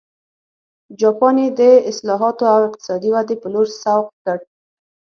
جاپان یې د اصلاحاتو او اقتصادي ودې په لور سوق کړ.